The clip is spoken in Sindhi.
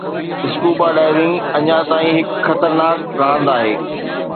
اسڪوبا ڊائيونگ اڃا تائين هڪ خطرناڪ راند آهي